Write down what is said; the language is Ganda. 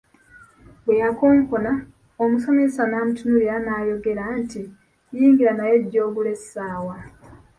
Bwe yakonkona, omusomesa n’amutunuulira era n’ayogera nti “Yingira naye ojje ogule essaawa”.